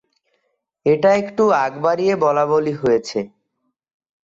এটা একটু আগ বাড়িয়ে বলাবলি হয়েছে